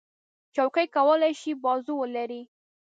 چوکۍ کولی شي بازو ولري.